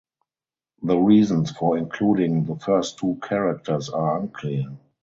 The reasons for including the first two characters are unclear.